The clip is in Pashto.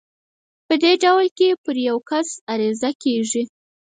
په دې ډول کې پر يو کس عريضه کېږي.